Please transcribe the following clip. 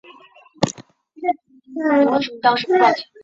他也没有得到正弦定律。